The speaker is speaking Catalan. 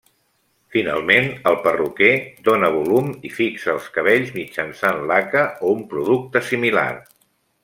Finalment, el perruquer dóna volum i fixa els cabells mitjançant laca o un producte similar.